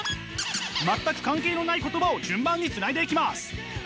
全く関係のない言葉を順番につないでいきます。